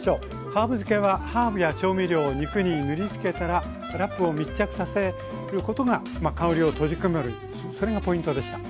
ハーブ漬けはハーブや調味料を肉に塗りつけたらラップを密着させることが香りを閉じ込めるそれがポイントでした。